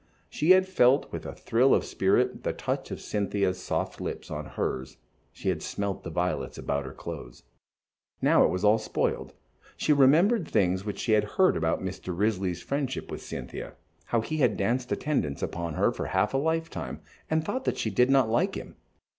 She had felt, with a thrill of spirit, the touch of Cynthia's soft lips on hers, she had smelt the violets about her clothes. Now it was all spoiled. She remembered things which she had heard about Mr. Risley's friendship with Cynthia, how he had danced attendance upon her for half a lifetime, and thought that she did not like him.